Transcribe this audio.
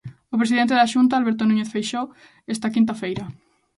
O presidente da Xunta, Alberto Núñez Feixóo, esta quinta feira.